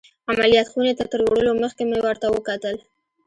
عمليات خونې ته تر وړلو مخکې مې ورته وکتل.